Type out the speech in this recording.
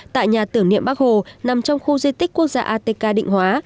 tại nhà tưởng niệm bắc hồ nằm trong khu di tích quốc gia atk định hóa